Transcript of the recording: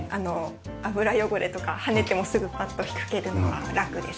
油汚れとか跳ねてもすぐパッと拭けるのは楽ですね。